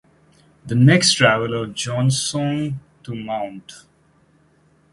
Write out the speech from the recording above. The next travel of Jeong Seon to Mt.